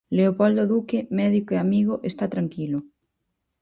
Leopoldo Luque, médico e amigo, está tranquilo.